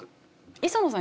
磯野さん